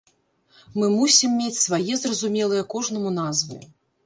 Мы мусім мець свае зразумелыя кожнаму назвы.